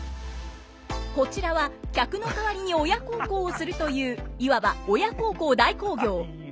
こちらは客の代わりに親孝行をするといういわば親孝行代行業。